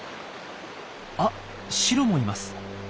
あっシロもいます。